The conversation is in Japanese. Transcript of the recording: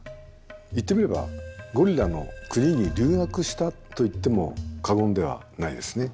言ってみればゴリラの国に留学したと言っても過言ではないですね。